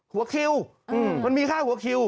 หัวคิวมันมีค่าหัวคิว